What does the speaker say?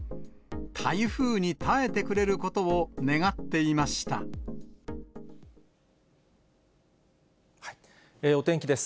台風に耐えてくれることを願ってお天気です。